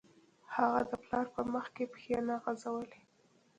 هغه د پلار په مخکې پښې نه غځولې